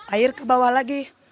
air ke bawah lagi